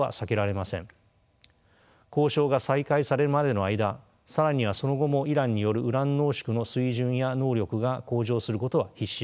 交渉が再開されるまでの間更にはその後もイランによるウラン濃縮の水準や能力が向上することは必至です。